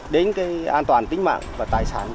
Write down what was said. đến cái an toàn tính mạng và tài sản